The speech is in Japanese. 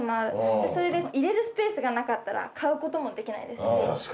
入れるスペースがなかったら買う事もできないですし。